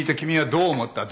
どう思った！？